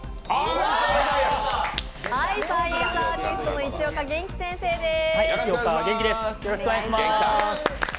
サイエンスアーティストの市岡元気先生です。